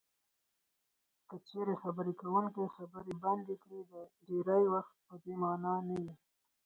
که چېرې خبرې کوونکی خبرې بندې کړي ډېری وخت په دې مانا نه وي.